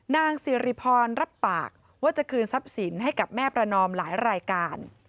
นางสิริพรรับปากว่าจะคืนทรัพย์สินให้กับแม่ประนอมหลายรายการ